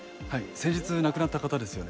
先日亡くなった方ですよね。